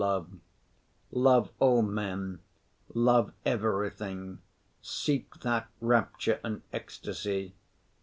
Love all men, love everything. Seek that rapture and ecstasy.